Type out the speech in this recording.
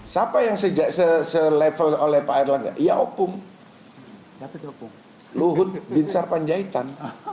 siapa yang se level oleh pak erlangga ya opung luhut binsar panjaitan